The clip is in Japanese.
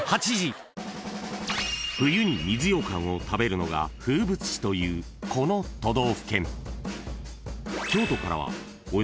［冬に水ようかんを食べるのが風物詩というこの都道府県］